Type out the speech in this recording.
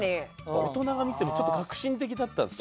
大人が見てもちょっと革新的だったんですか？